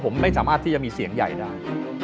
มีสามารถที่จะมีเสียงใหญ่ด้าน